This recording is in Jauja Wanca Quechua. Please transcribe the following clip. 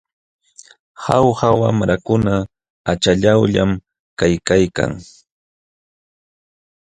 Jauja wamlakuna achallawllam kaykalkan.